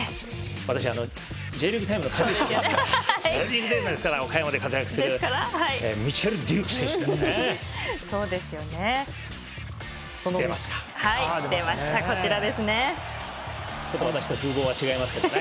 私、「Ｊリーグタイム」の解説ですから岡山で活躍するミッチェル・デューク選手そうですよね。